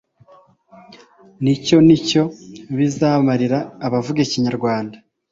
nicyo nicyo bizamarira abavuga ikinyarwanda.